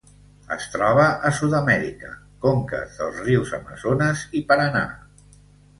Es troba a Sud-amèrica: conques dels rius Amazones i Paranà.